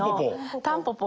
「タンポポ」！